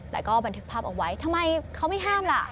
แต่ก็บันทึกภาพเอาไว้ทำไมเขาไม่ห้ามล่ะ